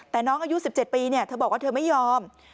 แต่น้องอายุ๑๗ปีเธอบอกว่าเธอไม่ยอม